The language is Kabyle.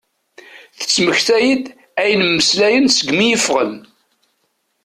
Tettmekta-d ayen mmeslayen segmi i iffɣen.